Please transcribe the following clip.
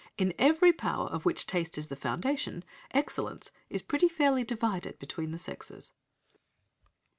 In every power, of which taste is the foundation, excellence is pretty fairly divided between the sexes.'"